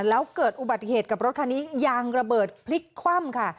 แล้วเกิดอุบัติเหตุกับรถคันนี้ยางระเบิดพลิกคว่ำค่ะ